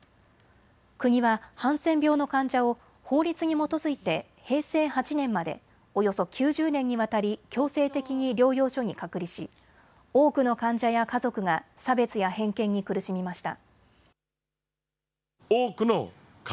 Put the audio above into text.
国はハンセン病の患者を法律に基づいて平成８年までおよそ９０年にわたり強制的に療養所に隔離し多くの患者や家族が差別や偏見に苦しみました。